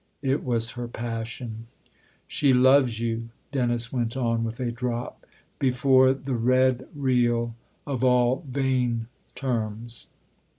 " It was her passion." " She loves you !" Dennis went on with a drop, before the red real, of all vain terms.